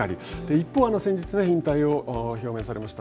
一方、先日引退を表明されました